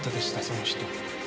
その人。